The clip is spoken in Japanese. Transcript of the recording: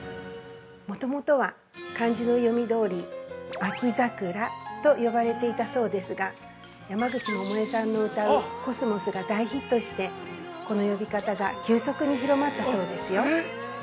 ◆もともとは、漢字の読みどおり、「あきざくら」と呼ばれていたそうですが山口百恵さんの歌う「秋桜」が大ヒットして、この呼び方が急速に広まったそうですよ。